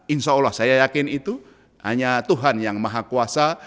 insya allah saya yakin itu hanya tuhan yang maha kuasa